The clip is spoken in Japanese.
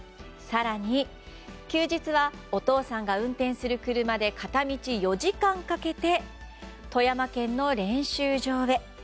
更に、休日はお父さんが運転する車で片道４時間かけて富山県の練習場へ。